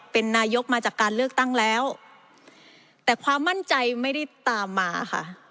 เป็นนายกมาจากการเลือกตั้งแล้วแต่ความมั่นใจไม่ได้ตามมาค่ะ